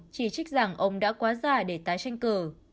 chỉ trích rằng ông đã quá dài để tái tranh cử